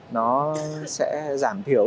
nó sẽ giảm thiểu